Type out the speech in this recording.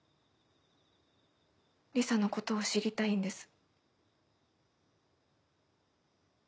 リサのことを知りたいんです。